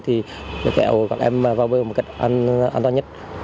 thì kéo các em vào bờ một cách an toàn nhất